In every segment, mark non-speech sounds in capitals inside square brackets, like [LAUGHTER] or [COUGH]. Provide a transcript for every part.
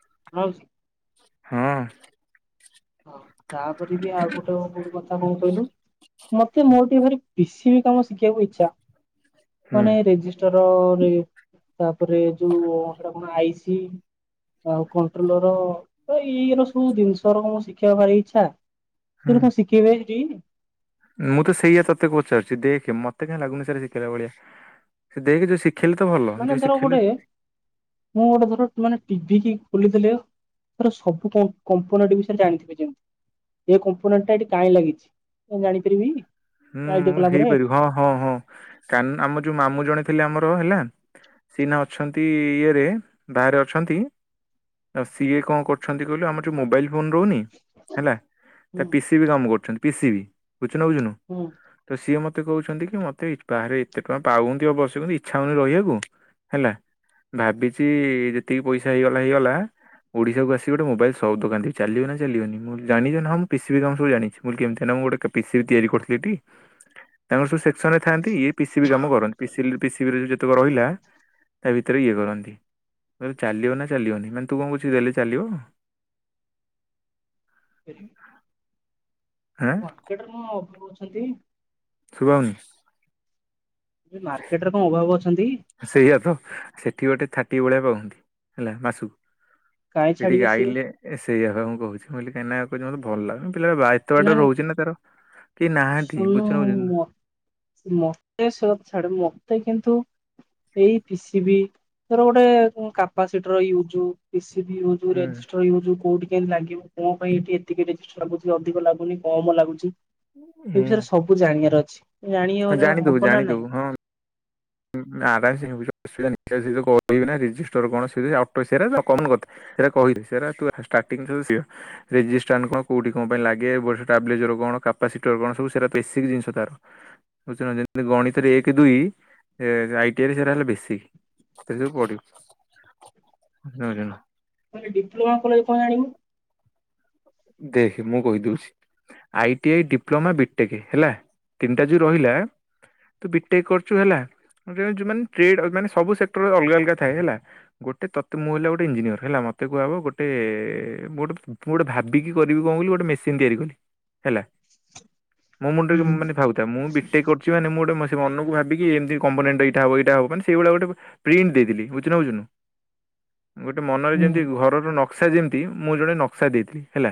[INAUDIBLE] ହଁ। ହଁ ତାପରେ ବି ଆଉ ଗୋଟେ କୋଟ କଥା କଣ କହିଲୁ ମତେ ମୋର ଟିକେ ଭାରି ବେଶି ତମ ଶିଖିବାକୁ ଇଚ୍ଛା ହୁଁ ମାନେ ରେଜିଷ୍ଟର ରେ ତାପରେ ଯୋଉ ହେଇଟା କଣ ଆଇସି? ଆଉ କଣ୍ଟ୍ରୋଲ ର ଏଇରା ସବୁ ଜିନିଷ ର ଶିଖିବା ଭାରି ଇଛା! କିନ୍ତୁ ହୁଁ କଣ ଶିଖେଇବେ ସେଠି? ମୁଁ ତ ସେଇୟା ତତେ ପଚାରୁଛି। ଦେଖେ ମତେ କାଁ ଲାଗୁନି ସେରା ଶିଖେଇଲା ଭଳିଆ। ସେ ଦେଖ ଯୋଉ ଶି ମାନେ ଧର ଗୋଟେ, ମୁଁ ଗୋଟେ ଧର ମାନେ ଟିଭି କି ବୁଲିଦେଲେ, ତର ସବୁ କମ୍-କମ୍ପନୀଟି ବିଷୟରେ ଜାଣିଥିବେ ଯେମତି। ଏ କମ୍ପୋନେଣ୍ଟ ଟା ଏଠି କାଇଁ ଲାଗିଛି କ ଜାଣିପାରିବି-ଇ? ହୁଁ, ମୁଁ ହେଇପାରିବି ହଁ, ହଁ, ହଁ କାନ୍ ଆମ ଯୋଉ ମାମୁଁ ଜଣେ ଥିଲେ। ଆମର ହେଲା ସିହ୍ନା ଅଛନ୍ତି-ଇ ଇଏରେ ବାହାରେ ଅଛନ୍ତି। ଆଉ ସିଏ କଁ କରଛନ୍ତି କହିଲୁ? ଆମର ଯୋଉ ମୋବାଇଲ ଫୋନ ରହୁନି ହେଲା, ତା ହୁଁ ପିସିବି କାମ କରୁଛନ୍ତି ପିସିବି ବୁଚୁ ନା ବୁଝୁନୁ? ହୁଁ ତ ସିଏ ମତ୍ ମତେ କହୁଛନ୍ତି କି ମତେ ଇ-ବାହାରେ ଏତେ ଟଙ୍କା ପାଉଅନ୍ତି ଅବଶ୍ କିନ୍ତୁ ଇଚ୍ଛା ହଉନି ରହିବାକୁ, ହେଲା। ଭାବିଚି-ଇ ଯେତିକି ପଇସା ହେଇଗଲା ହେଇଗଲା ଓଡିଶାକୁ ଆସି ଗୋଟେ ମୋବାଇଲ ସପ ଦୋକାନ ଦେବି ଚାଲିବ ନା ଚାଲିବନି ମୁଁ ଜାନିଚନାଁ ମୁଁ ପିି ସି ବି କାମ ସବୁ ଜାଣିଛି ମୁଁ କିଲ୍ କେମତି ନା ମୁଁ ଗୋଟେ କ ପିସିବି ତିଆରି କରୁଥିଲି ଟି! ତାଙ୍କର ସବୁ ସେକ୍ସନ ରେ ଥାଆନ୍ତି। ଇଏ ପିିସିବି କାମ କରନ୍ତି ପିି ସିଲ୍ ପିସିବି ରେ ଯେତକ ରହିଲା! ତା ଭିତରେ ଇଏ କରନ୍ତି। ଚାଲିବ ନା ଚାଲିବନି ମାନେ ତୁ କଁ କହୁଚୁ ଦେଲେ ଚାଲିବ-ଅ। ହାଁ ମାର୍କେଟରେ କଣ ଅବୁ ଅଛନ୍ତି-ଇ? ଶୁବାଉନି ଏ ମାର୍କେଟରେ କଣ ଅଭାବୁ ଅଛନ୍ତି? ସେଇଆ ତ ସେଠି ଗୋଟେ ଥାଟି ଭଳିଆ ପାଉହନ୍ତି। ହେଲା କାହିଁ ମାସୁକୁ। ଏଠି ଛାଡିକି ସିଏ ଗାଇଲେ ଏ-ସେଇଆ ପା ମୁଁ କହୁଛି, ମୁଁ କହିଲି କାହିଁନା ଯମା ଭଲ ଲାଗୁନି। ପିଲାଟା ବା ଏତ ବାଟ ରହୁଛି ନା! ତାର କିଏ ନାହାନ୍ତି? ବୁଝୁଛ ନା ବୁଝୁନ୍ ମୋତେ ସୋ ଛାଡେ, ମୋତେ କିନ୍ତୁ ଥୁ ଏଇ ପିସିବିି ତର ଗୋଟେ-ଏ କାପାସିଟିର ୟୁଜୁ ପିସି ଟିଭି ୟୁଜୁ, ହୁଁ। ରେଜିଷ୍ଟ୍ରର ୟୁଜୁ କୋଉଠି କେମ୍ ଲାଗିବ କଁ ପାଇଁ ଏଠି ଏତିକି ରେଜିଷ୍ଟ୍ର ଲାଗୁଛି? କି ଅଧିକ ଲାଗୁନି, କମ ଲାଗୁଚି, ଏ ହୁଁ ବିଷୟରେ ସବୁ ଜାଣିଆର ଅଛି। ହଁ, ଜାଣିବାର ଜାଣିଦବୁ, ହବ ନା ନାଇଁ ଜାଣିଦବୁ ହଁ। [UNINTELLIGIBLE] କହିଦେ ସେରା ତୁ ଷ୍ଟାର୍ଟିଂ [UNINTELLIGIBLE] ରେଜିଷ୍ଟ୍ରାନ କଁ କୋଉଠି କଁ ପାଇଁ ଲାଗେ ବସ୍ ଷ୍ଟାବ୍ଲେଜର କଣ? କାପାସିଟର କଣ ସବୁ ସେରା ବେସିକ ଜିନିଷ ତାର। ବୁଝୁଚନା ଯେମତି, ଗଣିତରେ ଏକ ଦୁଇ-ଇ ଏ ଆଇ ଟି ଆଇ ରେ ସେରା ହେଲା ବେସି। ସେରା ସବୁ ପଡିବ ଜାଣୁଚନା। କଇଲେ ଡିପ୍ଲୋମା କଲେ କଣ ଆଣିବୁ? ଦେଖେ ମୁଁ କହିଦଉଛି। I T I, diploma, BTech ହେଲା ତିନିଟା ଯୋଉ ରହିଲା ତୁ ବିଟେକ କରୁଚୁ ହେଲା। ଯ-ଯଉ ମାନେ ଟ୍ରେଡ ମାନେ ସବୁ ସେକ୍ଟରରେ ଅଲଗା ଅଲଗା ଥାଏ ହେଲା, ଗୋଟେ ତତେ ମୁଁ ହେଲା ଗୋଟେ ଇଞ୍ଜିନିୟର ହେଲା, ମତ୍ ମତେ କୁହାବ ଗୋଟେ-ଏ ମୁଁ-ଗୋଟେ ମୁ-ଗୋଟେ ଭାବ୍ ବିକି କରିବି କଁ କଇଲୁ, ଗୋଟେ ମେସିନ୍ ତିଆରି କଲି ହେଲା। ମୋ ହୁଁ ମୁଣ୍ଡରେ ମାନେ ଭାବୁଥା ମୁଁ ବିଟେକ କରୁଛି ମାନେ ମୁଁ ଗୋଟେ ମସେ ମନକୁ ଭାବି ଏମିତି କମ୍ବୋନେଣ୍ଟ ଏଇଟା ହବ ଏଇଟା ହବ ମାନେ ସେଇଭଳା ଗୋଟେ ପ୍ରିଣ୍ଟ ଦେଇଥିଲି ବୁୁୁଚୁନା ବୁଝୁନୁ। ଗୋଟେ ମନରେ ହୁଁ ଯେମିତି ଘରର ନକ୍ସା ଯେମିତି ମୁଁ ଜଣେ ନକ୍ସା ଦେଇଥିଲି। ହେଲା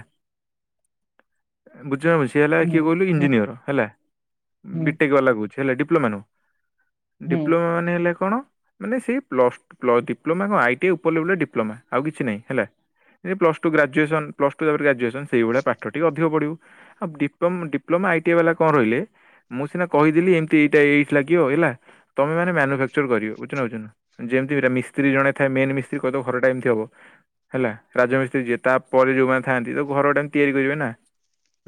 ବୁ [UNINTELLIGIBLE] ସିଏ ହେଲା ହୁଁ କିଏ କହିଲୁ ହୁଁ ଇଞ୍ଜିନିୟର ହେଲା, ହୁଁ ବିଟେକ ଆଲା କଉଚି ହେଲା ଡିପ୍ଲୋମା ନୁଁଅ। ହୁଁ ଡିପ୍ଲୋମା ମାନେ ହେଲେ କଣ? ମାନେ ସେଇ ପ୍ଲସ୍-ପ୍ଲ ଡିପ୍ଲମା କଁ ଆଇ ଟି ଆଇ ଉପ ଲେବଲେ ଡିପ୍ଲମା ଆଉ କିଛି ନାଇଁ ହେଲା। ଏ plus two graduation plus two ତାପରେ ଗ୍ରଜୁଏସନ୍ ସେଇଭଳିଆ ପାଠଟିିକେ ଅଧିକ ପଢିବ, ଆଉ ଡିପ୍ଲୋମ୍ ଡିପ୍ଲମା ଆଇ ଟି ଆ ବାଲା କଁ ରହିଲେ? ମୁଁ ସିନା କହିଥିଲି ଏମତି ଏଇଟା ଏ-ଏଇିଠ୍ ଲାଗିବ ହେଲା, ତମେ ମାନେ ମ୍ୟାନୁଫାକ୍ଚର କରିବ ବୁଚନା ବୁଝୁନା। ଯେମତି ମିରା ମିସ୍ତ୍ରୀ ଜଣେ ଥାଏ ମେନ୍ ମିସ୍ତ୍ରୀ କହିଦବ୍ ଘରଟା ଏମିତି ହବ ହେଲା ରାଜମିସ୍ତ୍ରୀ ଯିଏ ତା ପରେ ଯଉମାନେ ଥାଆନ୍ତି ତ ଘରଡା ତିଆରି କରିବେ ନା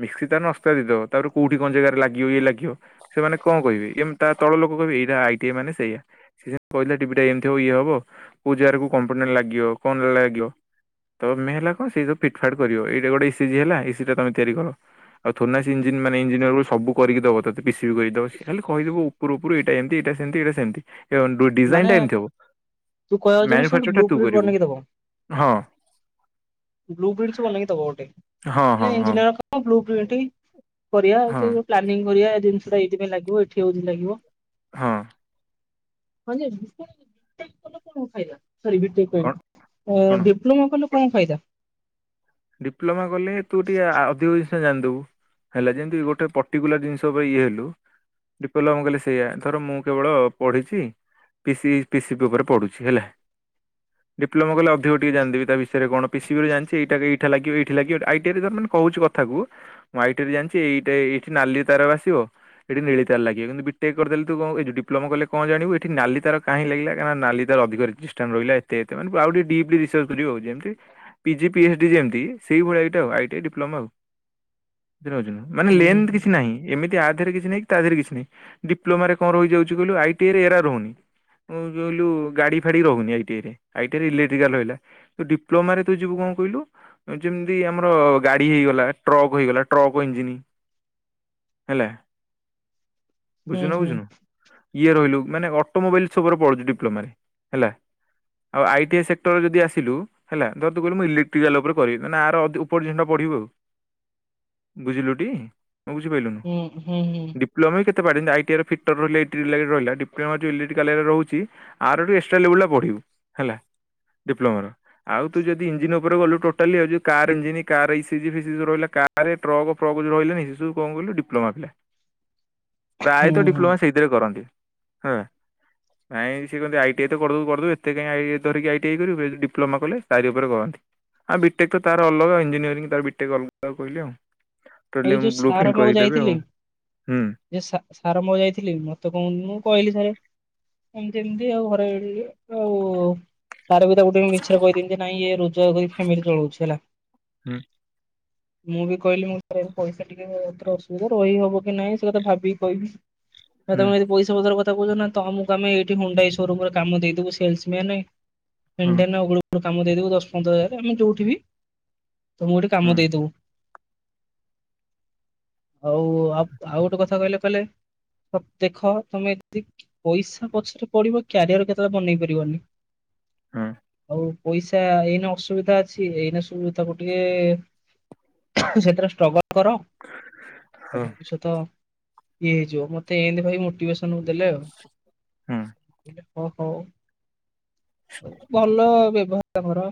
ମିସ୍କି ତା ନସ୍କା ଦେଦବ ତାପରେ କୋଉଠି କଁ ଜେଗାରେ ଲାଗିବ ଇଏ ଲାଗିବ ସେମାନେ କଁ କହିବେ ୟେମ୍ ତା ତଳ ଲୋକ୍ ମୁଁ କହିବି, ଏରା ଆଇ ଟି ଆଇ ମାନେ ସେଇଆ। ସେ ସେମିତି କହିଲା ଟିଭି ଟା ଏମିତି ହେବ ଇଏ ହବ। କଉ ଜାଗାରେ କଉ କମ୍ପୋନେଟ ଲାଗିବ? କଣ ଲାଗିବ? ତ ମେହେଲା କଣ ସେଇ ଯ ଫିଟ୍ ଫାଟ୍ କରିବ। ଏଇଟା ଗୋଟେ ଇସିଜି ହେଲା ଇସି ଟା ତମେ ତିଆରି କଲ। ଆଉ ଥୋଡ଼ି ନା ସେ ଇଞ୍ଜିନ ମାନେ ଇନ୍ ଇଞ୍ଜିନିଅର କୁ ସବୁ କରିକି ଦବ ତତେ ପିସିପି କରିକି ଦବ। ସେ ଖାଲି କହିଦବ ଉପରୁ ଉପରୁ ଏଇଟା ଏମିତି, ଏଇଟା ସେମିତି, ଏଇଟା ସେମିତି। ଏ ଅନ୍ ଡୁଡିଜାଇନ ମାନେ ଟା ଏମିତି ହେବ। ତୁ କହିବାକୁ ଚାହୁଁଛୁ ସେ ମ୍ୟାନୁଫେକ୍ଚର ଟା ବ୍ଲୁ ତୁ ପ୍ରିଣ୍ଟ କରିବୁ। ବନେଇକି ଦବ ହଁ। ବ୍ଲୁ ପ୍ରିଣ୍ଟ ସେ ବନେଇକି ଦବ ଗୋଟେ। ହଁ ହଁ ନା ହଁ ଇଞ୍ଜିନିଅରଙ୍କ ବ୍ଲୁ ପ୍ରିଣ୍ଟି ହଁ କରିବାଉ ପ୍ଲାନିଂ କରିବା ଜିନିଷଟା ଏଇଥିପାଇଁ ଲାଗିବ। ଏଠି ହଉଚି ଲାଗିବ। ହଁ। ହଁ ଯେ ଡିପ୍ଲୋମା କଲେ। କଣ କଣ କଣ ଫାଇଦା ଡିପ୍ଲୋମା କଲେ ତୁ ଟିକେ ଆ ଅଧିକ ଜାଣିଦବୁ ହେଲା ଯେମତି ଗୋଟେ ପର୍ଟିକୁଲାର ଜିନିଷ ପାଇଁ ଇଏ ହେଲୁ। ଡିପ୍ଲୋମା କଇଲେ ସେଇଆ ଏଥର ମୁଁ କେବଳ ପଢିଛି। ପିସି ପିସି ପି ଉପରେ ପଡୁଛି ହେଲା। ଡିପ୍ଲୋମା କଲେ ଅଧିକ ଟିକେ ଜାଣି ଦେବି ତା ବିଷରେ କଣ ପିି ସି ବି ଜାଣିଛି ଏଇଟା ବି [UNINTELLIGIBLE] [UNINTELLIGIBLE] ତାର ଅଧିକ ଡିଷ୍ଟାନ୍ସ ରହିଲା ଏତେ ଏତେ ମାନେ ଆଉ ଟିକେ ଡିପ୍ଲି ରିସର୍ଚ୍ଚ କରିବୁ ଯେମିତି ପି ଜି ପି ଏ ଯେମିତି ସେଇ ଭଳିଆ ଏଇଟା ଆଇଟି ଡିପ୍ଲୋମା ଆଉ ମାନେ ହୁଁ ଲେନ୍ଥ କିଛି ନାହିଁ ଏମିତି ଆଦ ରେ କିଛି ନାହିଁ କି? ତା ଦେହରେ କିଛି ନାହିଁ ଡିପ୍ଲୋମାରେ କଣ ରହିଯାଉଛି କହିଲୁ ଆଇଟିରେ ଏରା ରହୁନି କହିଲୁ ଗାଡି ଫାଡି ରହୁନି ଆଇଟି ଆଇ ରେ ଆଇଟି ଆଇରେ ଇଲେକ୍ଟ୍ରିକାଲ ରହିଲା ତୁ ଡିପ୍ଲୋମାରେ ତୁ ଯିବୁ କଣ କହିଲୁ? ଯେମିତି ଆମର ଗାଡି ହେଇଗଲା ଟ୍ରକ୍ ହେଇଗଲା ଟ୍ରକ୍ ଇଞ୍ଜିନ୍ ହେଲା ହୁଁ ବୁଝୁଚୁ ନା ହୁଁ ବୁଝୁନୁ ଇଏ ରହିଲୁ ମାନେ ଅଟୋମୋବାଇଲସ ଉପରେ ପଡୁଛି ଡିପ୍ଲୋମା ହେଲା। ଆଉ ଆଇଟି ଆଇ ସେକ୍ଟରରେ ଯଦି ଆସିଲୁ ହେଲା ତ ତୁ କହିବୁ ମୁ ଇଲେ ଟ୍ରିକାଲ ଉପରେ କରିବି ମାନେ ଆର ଉପର ଜିନ ଟା ପଢିବୁ ବୁଝିଲୁ ଟି ନା ବୁଝିପାଇଲୁନୁ ହୁଁ ହୁଁ ହୁଁ ଡିପ୍ଲମା କେତେ ପର୍ଯନ୍ତ [UNINTELLIGIBLE] ହେଲା ଡିପ୍ଲମା ର ଆଉ ତୁ ଯଦି ଇଞ୍ଜ [UNINTELLIGIBLE] ଡିପ୍ଲମା ପିଲା ହୁଁ ପ୍ରାୟତଃ ହୁଁ ଡିପ୍ଲୋମା ସେଇଥିରେ କରନ୍ତି ନାଇଁ ସେ କହନ୍ତି ଆଇଟି ଆଇ ତ କରିଦବୁ କରିଦେବୁ ଏତେ କାଇଁ ଆଇ ଧରିକି ଆଇଟି ଆଇ କରିବୁ ଡିପ୍ଲୋମା କଲେ ତାରି ଉପରେ କରନ୍ତି। ଆଉ ବିଟେକ୍ ତାର ଅଲଗା ଇଞ୍ଜିନିୟରିଂ ତାର ବିଟେକ୍ ଅଲଗା କହିଲି ଆଉ। ଏ ଟୋଟାଲି ଯୋଉ ବ୍ଲୁ ସାରଙ୍କ ପ୍ରିଣ୍ଟ ପାଖକୁ କରିକି ଦେବେ ଯାଇଥିଲି। ଆଉ। ହୁଁ ଯେ ସା ସାର ମ ଯାଇଥିଲି ମତେ କହୁ ମୁଁ କହିଲି ସାରେ ଏମିତି ଏମିତି ଆଉ ଘରେ ସାର ବି ତା ଗୋଟେ ମିଛରେ କହିଦନ୍ତି ନାଇଁ ଇ ରୋଜଗାର କରି ଫ୍ୟାମିଲି ଚଳଉଛି ହେଲା। ହୁଁ ମୁଁ ବି କହିଲି ମୁଁ ପଇସା ଟିକେରେ ଅସୁବିଧା ରହିହବ କି ନାହିଁ ସେ କଥା ଭାବିକି କହିବି। ତମେ ହୁଁ ଏମିତି ପଇସା ପତ୍ର ହୁଁ କଥା। [UNINTELLIGIBLE] କାମ ଦେଇଦବୁ ଦଶ ପନ୍ଦର ହଜାର ଆମେ ଯୋଉଠି ବି ତମକୁ ଗୋଟେ କାମ ଦେଇଦବୁ [INAUDIBLE] ଆଉ ଆ ଆଉ ଗୋଟେ କଥା କହିଲେ କହିଲେ। ଦେଖ ତମେ ଏମିତି ପଇସା ପଛରେ ପଡିବ କ୍ୟାରିଅର କେତେବେଳେ ବନେଇ ପାରିବନି। ହୁଁ। ଆଉ ପଇସା ଏଇନେ ଅସୁବିଧା ଅଛି ଏଇନେ ସୁବିଧା ତାକୁ ଟିକେ ସେଥିରେ ଷ୍ଟ୍ରଗଲ କର ହୁଁ ଭବିଷ୍ୟତ ଇଏ ହେଇଯିବ ମତେ ଏମତି କହି ମୋଟିଭେ ଦେଲେ ଆଉ ହୁଁ। ହ ହ ଭଲ ବ୍ୟବହାର କର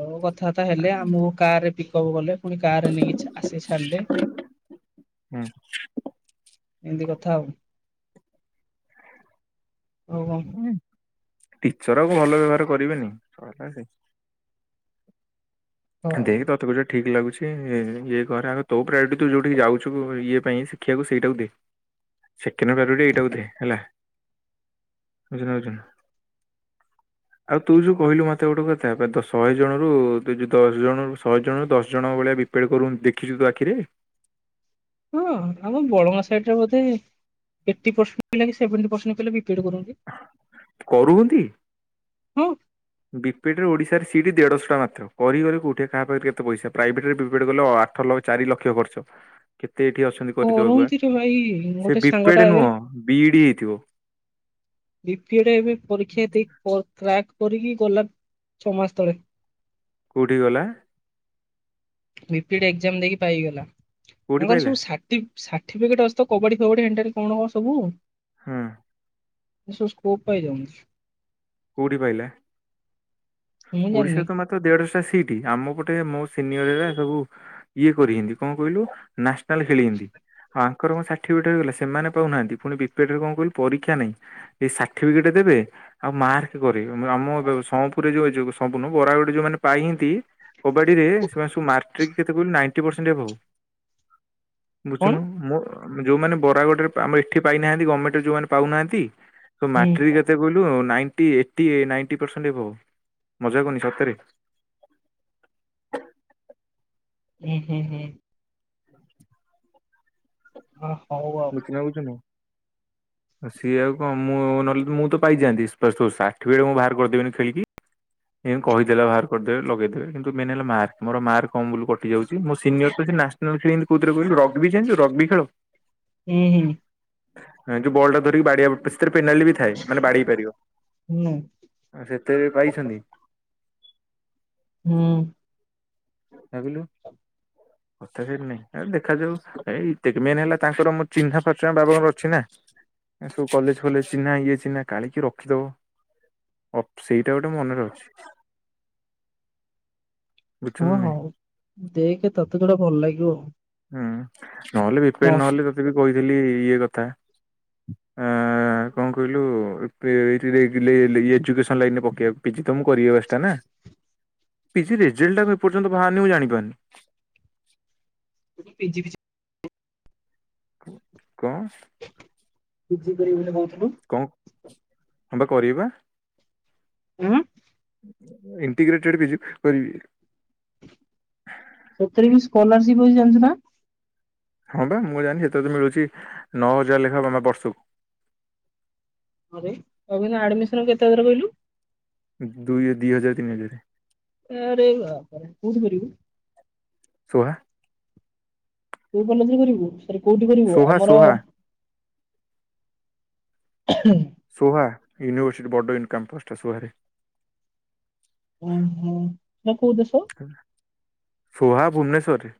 ଆ କଥାବାର୍ତ୍ତା ହେଲେ ଆମକୁ କାର ରେ ପିକଅପ୍ କଲେ ପୁଣି କାର ରେ ନେଇକି ଆସି ଛାଡିଲେ ହୁଁ ଏମିତି କଥା ହଉ ଓ। ହୁଁ, ଟିଚର ଆକୁ ଭଲ ବ୍ୟବହାର କରିବେନିିଲ ସେ କଣ ଦେଖି ତତେ କିଛ ଠିକ ଲାଗୁଛି। ଇଏ ଘରେ ଆଗ ତୋ ପ୍ରାୟ ତୁ ଯୋଉଠିକି ଯାଉଛୁ ଇଏ ପାଇଁ ଶିଖିବାକୁ ସେଇଟାକୁ ଦେ ସେକେଣ୍ଡ ଏଇଟା ବୋଧେ ହେଲା ବୁନ ବଛୁନ ଆଉ ତୁ ଯୋଉ କହିଲୁ ମତେ ଗୋଟେ କଥା ଶହେ ଜଣ ରୁ ତୁ ଯଦି ଦଶ ଜଣରୁ ଶହେ ଜଣରୁ ଦଶ ଜଣଙ୍କ ଭଳିଆ ବିପେଡ଼୍ କରୁ ଦେଖିଛୁ ତୁ ଆଖିରେ? ହଁ ଆମ ବଳଙ୍ଗା ସାଇଡରେ ବୋଧେ ଏଟି କି ସେଭେନ୍ତି ପରସେଣ୍ଟ ପିଲା ବିପିଏଡ କରନ୍ତି କରୁ ହନ୍ତି? ହଁ ବିପେଡ ଓଡିଶାରେ ସିଟ୍ ଦେଢ଼ଶହ ଟା ମାତ୍ର କରି କରି କଉଠି କାହା ପାଖରେ କେତେ ପଇସ ପ୍ରାଇଭେଟରେ ବିପେଡ କଲେ ଅ ଆଠ ଲକ୍ଷ ଚାରି ଲକ୍ଷ ଖର୍ଚ୍ଚ କେ ଏତେ ଏଇଠି ଅଛନ୍ତି କରିଦବାକୁ ବା କରନ୍ତି ରେ ଭାଇ ସେ ଗୋଟେ ସାଙ୍ଗଟା ବିପେଡେ ଏବେ ନୁହଁ ବି ଡି ହେଇଥିବ। ବିପିଏଡ୍ ଏବେ ପରୀକ୍ଷା ଦେଇକି ପ କ୍ରାକ୍ କରିକି ଗଲା ଛଅ ମାସ ତଳେ। କୋଉଠି କି ଗଲେ? ବିପିଏଡ୍ ଏକ୍ସାମ ଦେଇକି ପାଇଗଲା କୋଉଠି ତାଙ୍କର ପାଇଲା ସବୁ ସାର୍ଟି ଫିକେଟ୍ ଅଛି ତ କବାଡି ଫବାଡି ଏଣ୍ଟାର କଣ କଣ ସବୁ ହଁ। ଏ ସବୁ ସ୍କୋପ ପାଉଯାଉନି। କୋଉଠ ପାଇଲା ମୁଁ ଜାଣିନି ଓଡିଶାରେ ତ ମାତ୍ର ଦେଢଶ ସି ଟ୍ ଆମ ପଟେ ମୋ ସିନିୟର ସବୁ ଇଏ କରିକିନ୍ତି କଣ କହିଲୁ ନ୍ୟାସନାଲ ଖେଳିଚନ୍ତି। ଆଙ୍କର କଣ ସାର୍ଟିଫିକଟ ହେଇଗଲା। ସେମାନେ ପାଉନାହାନ୍ତି ଫୁଣି ବିପିଏଡ୍ ରେ କଣ କହିଲୁ ପରୀକ୍ଷା ନାହିଁ। ଏଇ ସାର୍ଟିଫିକେଟ ଦେବେ ଆଉ ମାର୍କ କରିବେ ମୋ ଆମ ଏ ସମ୍ପୁରରେ ଯୋଉ ଏ ଯୋଉ ସମ୍ପୂର୍ଣ ବରାଗୁଡ ଯୋଉମାନେ ପାଇହିନ୍ତି କବାଡିରେ ସେମାନେ ସବୁ ମାଟ୍ରିକରେ କେତେ କହିଲୁ ନାଇଣ୍ଟି ପରସେଣ୍ଟ ଏଭବ। କଣ ବୁଝୁନୁ ମୁଁ ମୁଁ ଯୋଉମାନେ ବରାଗୁଡିରେ ପା ଆମ ଏଠି ପାଇନାହାନ୍ତି ଗମେଣ୍ଟରେ ଯୋଉମାନେ ପାଉନାହାନ୍ତି। ତୁ ହୁଁ ମାଟ୍ରିକ କେତେ କହିଲୁ ନାଇଣ୍ଟ, ଏଇଟି ଏ ନାଇଣ୍ଟି ପରସେଣ୍ଟ ଏଭବ ମଜା କରୁନି ସତରେ। [INAUDIBLE] ହୁଁ ହୁଁ ହୁଁ। ହ। ହଉ [UNINTELLIGIBLE] ଆଉ ଗୋଛି ନାଗୁଚନ୍ତି। ସିଏ ଆଉ କଣ ମୁଁ ନହେଲେ ମୁଁ ତ ପାଇଯାଆନ୍ତି। [UNINTELLIGIBLE] ସାର୍ଟିଫିକେଟ ମୁଁ ବାହାର କରିଦେବିନି ଖେଳିକି। ଏମିତି କହିଦେଲେ ବାହାର କରିଦେବେ ଲଗେଇଦେବେ କିନ୍ତୁ ମେନ୍ ହେଲା ମାର୍କ ମୋର ମାର୍କ କମ୍ ବୁଲୁ କଟି ଯାଉଚି। ମୋ ସିନିୟର ତେ ସେ ନ୍ୟାସନାଲ ଖେଳନ୍ତି କୋଉଥିରେ କହିଲୁ ରଗବି ଜାଣିଚୁ ରଗବି ଖେଳ? ହୁଁ ହୁଁ ଯୋଉ ବଲ ଟା ଧରିକି [UNINTELLIGIBLE] ଫିନାଇଲ ବି ଥାଏ ମାନେ ବାଡ ହେଇ ପାରିବ ହୁଁ ଆ ସେତେ ପାଇଛନ୍ତି। ହୁଁ। ଏଗଲୁ। କଥା ସେଠୀ ନାଇଁ ଦେଖାଯାଉ ଏ ମେନ୍ ହେଲା ତାଙ୍କର ମୁଁ ଚିହ୍ନା ପରିଚୟ ବାବାଙ୍କର ଅଛି ନା। ଏ ସବୁ କଲେଜ ଗଲେ ଚିହ୍ନା ଇଏ ଚିହ୍ନା କାଳେ କିଏ ରଖିଦବ। ଅ ସେଇଟା ଗୋଟେ ମନେରେ ଅଛି। ବୁଝୁଚୁ ହଁ ନା ହଁ ନାଇଁ। ଦେଖେ ତୋତେ ଯଟା ଭଲ ଲାଗିବ ଆଉ। ହୁଁ ନହେଲେ ବିପିଏନ୍ ମୋର ନହେଲେ ତତେ ବିି କହିଥିଲି ଇଏ କଥା। ଆ କଣ କହିଲୁ ଏ ଏ ଏଜୁକେସନ ଲାଇନରେ ପକେଇବା ପାଇଁ। ତମକୁ [UNINTELLIGIBLE] ନା। ପିଜି ରେଜଲ୍ଟ ଟା ମୁଁ ଏପର୍ଯ୍ୟନ୍ତ ବାହାରିନି ମୁଁ ଜାଣିପାରୁନି। ପିଜିଫିଜି। କଣ? କିଛି କରିବ ବୋଲି କହୁ- କଣ ହ ବା କରିବି ପା। ଉହୁଁ। ଇଣ୍ଟିଗ୍ରେଟେଡ ପିଜି କରିବି। ସେଥିରେ ବି ସ୍କଲାରସିପ ଅଛି ଜାଣିଛୁ ନା। ହଁ ବା ମୁଁ ଜାଣିଛି ସେତେ ତ ମିଳୁଛି ନଅ ହଜାର ଲେଖାଏ ନହେଲେ ବର୍ଷକୁ [UNINTELLIGIBLE] ଆଡମିସନ କେତେ ହଜାରେ କହିଲୁ? ଦୁଇ ଦି ହଜାର ତିନି ହଜାର ଆରେ ବାପରେ କୋଉଠି କରିବୁ? ସୁୁହା କୋଉ କଲେଜ୍ ରେ କରିବୁ ସରି କୋଉଠି କରିବୁ ସୋହା ଆମର ସୋହା [INAUDIBLE] ସୋହା ୟୁନିଭର୍ସିଟି ବଡ଼ କ୍ୟାମ୍ପସଟା ସୋହାରେ ଓ ହୋ ସେଟା କୋଉ ଦେଶ? ସୋହା ଭୁବନେଶ୍୍ୱରରେ।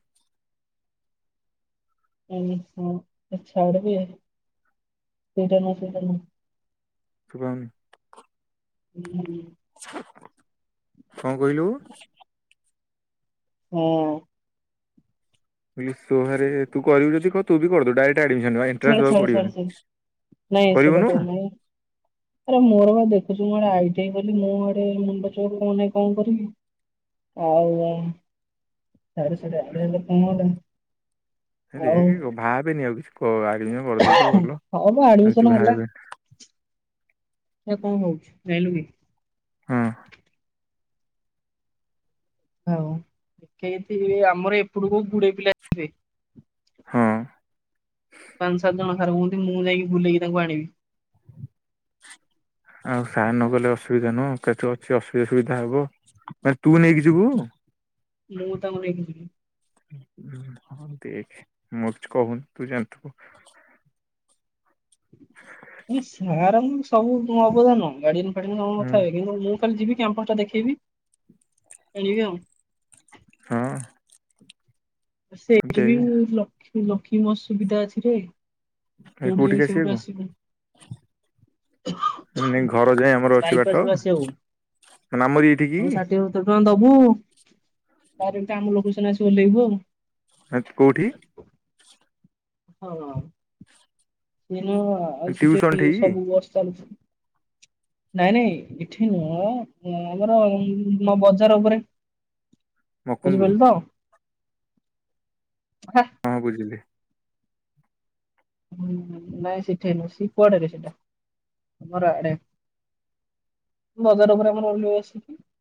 ହ ହ ଛାଡ ବି ସେଇଟା ନା ସେଇଟ ନା ସୁଭମ୍ ହୁ ହୁଁ କଣ କହିଲୁ? ହୁଁ ସୋହା ରେ ତୁ କରିବୁ ଯଦି କହ ତୁ ବି କରିଦବୁ ଡାଇରେକ୍ଟ ଆଡମିସନ ଏଣ୍ଟ୍ରାନ୍ସ ଛାଡ଼ ଦବାକୁ ଛାଡ଼ ଛାଡ଼ ପଡିବନି ଛାଡ଼ ନାଇଁ ସେ କରିବୁନୁ କଥା ନାହି। ଆରେ ମୋର ବା ଦେଖୁଛୁ ମୁଁଗୋଟେ ଆଇଟି ଆଇ କଲି ମୁଁ ଆଡେ ମୁଣ୍ଡ ଚଉକ କଣ ନାହିଁ କଣ କରିବି? ଆଉ [UNINTELLIGIBLE] ହେ ଆଉ ଦେଖେ ଭାବେନି ଆଉ କିଛି। କ ଆଡମିସନ୍ କରିଦେଇଛୁ ଭଲ ହଁ ବା ଆଉ ଆଡମିସନ କିଛି ଭାବେ ସେ କଣ ହଉଛି ଯାଇଁଲୁକି। ହଁ ହଉ ଦେଖଏଠି ଆମର ଏପଟକୁ ଗୁଡେ ପିଲାଯିବେ। ହଁ ପାଞ୍ଚ ସାତ ଜଣ ସାର୍ କହୁଛନ୍ତି ମୁଁ ଯାଇକି ବୁଲେଇକି ତାଙ୍କୁ ଆଣିବି। ଆଉ ସାର୍ ନଗଲେ ଅସୁବିଧା ନୁହଁ କେତେ କି ଅସୁବିଧା ସୁବିଧା ହବ ମାନେ ତୁ ନେଇକି ଯିବୁ? ମୁଁ ତାଙ୍କୁ ନେଇକି ଯିବି। [UNINTELLIGIBLE] ଦେଖେ ମୁ କିଛି କହୁନି ତୁ ଜାଣିଥିବୁ। ସାରଙ୍କର ସବୁ ଅବଦାନ ଗାଡିଆନ ଫାଡିଆନ୍ ହୁଁ କଥା ହୁଏ କିନ୍ତୁ ମୁଁ କାଲି ଯିବି କ୍ୟାମ୍ପସ ଟା ଦେଖେଇବି [INAUDIBLE] ଖେଳିବି ଆଉ ହଁ ସେଠି ବି ଦେଖେ ଲକ୍ଷ୍ମୀ ଲକ୍ଷ୍ମୀ ବସ୍ ସୁବିଧା ଅଛି ରେ ସେଉଠି ଯାଇକି ସେଉଠୁ ଆସିବୁ। ନାଇ ଘର ଯାଏ ଆମର ଅଛି ବାଇପାସ ବାଟ। ରୁ ଆସିବାକୁ ନାମର ଏଇଠି କି? ହୁ ଡାଇରେକ୍ଟ ଆମ ଲୋକେସନରେ ଆସିକି ଓଲ୍ହେଇବୁ ଆଉ! ଆଚ୍ କୋଉଠି? ହଁ ହ ଆଉ ସେଠି ଟିଉସନ ଏମତି ଠି ସବୁ ବସ୍ ଚାଲୁଛି। ନାଇଁ ନାଇଁ ଏଠି ନୁହଁ ଆମର ବଜାର ଉପରେ ବୁଝି ମକୁନ୍ଦପୁର ପାରିଲୁ ତ। ହଁ ବୁଝିଲି। ହୁଁ ନାଇଁ ଶିଖେ ମୁଁ ସିପଡରେ ସେଟା ଘର ଆଡେ। ବଜାର ଉପରେ ଆମେ ରହିଲୁ ଆସିକି।